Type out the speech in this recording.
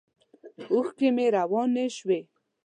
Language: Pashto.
اوښکې مې روانې شوې.